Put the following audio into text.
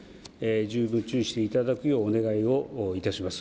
十分注意していただくようお願いをいたします。